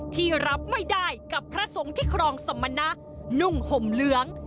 ที่รับไม่ได้กับพระสงฆ์ที่ครองสมณะนุ่งห่มเหลือง